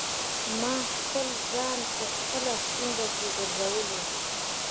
ما خپل ځان په خپله په ستونزو کي غورځولی.